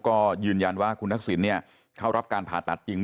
ก็ยืนยันว่าคุณทักษิณเข้ารับการผ่าตัดจริง